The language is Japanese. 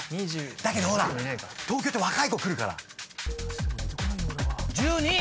だけど東京って若い子来るから。